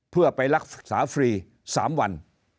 เพื่อไปรักษาฟรี๓วัน